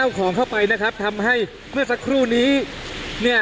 เอาของเข้าไปนะครับทำให้เมื่อสักครู่นี้เนี่ย